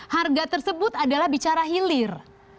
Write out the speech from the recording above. harga tersebut adalah bicara hilir